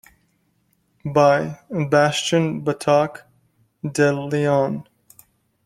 By:Bastian Batac De Leon.